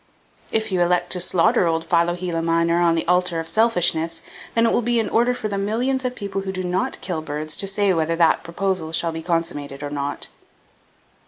If you elect to slaughter old Philohela minor on the altar of Selfishness, then it will be in order for the millions of people who do not kill birds to say whether that proposal shall be consummated or not.